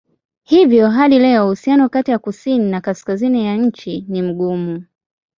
Hivyo hadi leo uhusiano kati ya kusini na kaskazini ya nchi ni mgumu.